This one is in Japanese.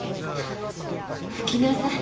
ふきなさい。